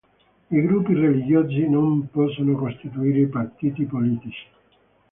I gruppi religiosi non possono costituire partiti politici.